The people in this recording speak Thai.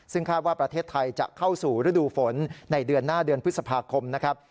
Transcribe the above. ซึ่งคาดว่าประเทศไทยจะเข้าสู่ฤดูฝนในเดือนหน้าเดือนพฤษภาคมนะครับ